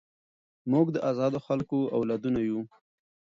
موږ د ازادو خلکو اولادونه یو.